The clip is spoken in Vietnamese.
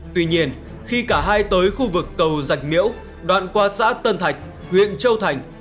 tuy nhiên khi cả hai tới khu vực cầu dạch miễu đoạn qua xã tân thạch huyện châu thành